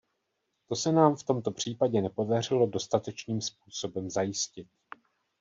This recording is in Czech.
To se nám v tomto případě nepodařilo dostatečným způsobem zajistit.